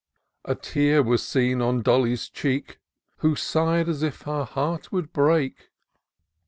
A tear was seen on Dolly's cheek ; Who sigh'd as if her heart would break.